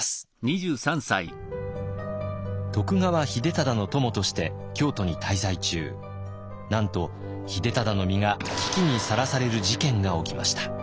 徳川秀忠の供として京都に滞在中なんと秀忠の身が危機にさらされる事件が起きました。